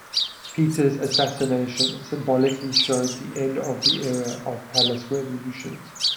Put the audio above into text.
Peter's assassination symbolically showed the end of the era of palace revolutions.